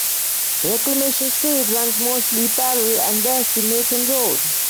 Reclamation Street runs mostly parallel and west to Nathan Road.